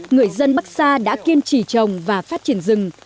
người dân bắc sa đã kiên trì trồng và phát triển rừng